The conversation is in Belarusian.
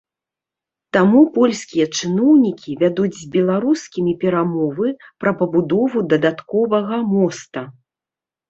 Таму польскія чыноўнікі вядуць з беларускімі перамовы пра пабудову дадатковага моста.